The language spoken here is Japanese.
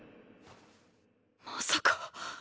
まさか。